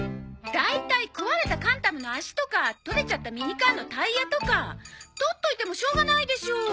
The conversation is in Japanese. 大体壊れたカンタムの足とか取れちゃったミニカーのタイヤとかとっといてもしょうがないでしょ？